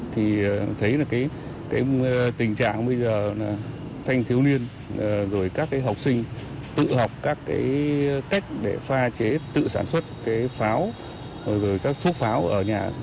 thì thấy là cái tình trạng bây giờ là thanh thiếu niên rồi các cái học sinh tự học các cái cách để pha chế tự sản xuất cái pháo rồi các thuốc pháo ở nhà